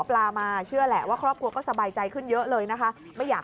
ปลามาเชื่อแหละว่าครอบครัวก็สบายใจขึ้นเยอะเลยนะคะไม่อยาก